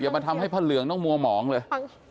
มาทำให้พระเหลืองต้องมัวหมองเลย